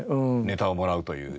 ネタをもらうという。